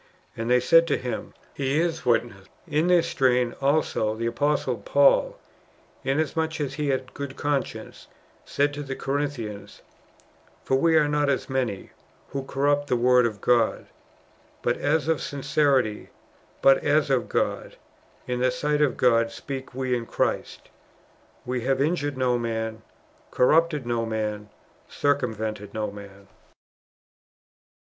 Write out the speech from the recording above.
And they said to him, He is witness." In this strain also the Apostle Paul, inasmuch as he had a good conscience, said to tlie Corinthians :*' For we are not as many, who corrupt the Word of God : bat as of sincerity, but as of God, in the sight of God speak we in Christ;"^ ^* AYe have injured no man, corrupted no man, circumvented no man."